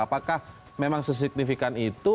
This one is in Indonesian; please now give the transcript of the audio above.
apakah memang sesignifikan itu